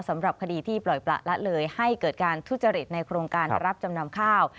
สำหรับคดีที่ปล่อยประละเลยให้เกิดการทุจริตในโครงการรับจำนำข้าว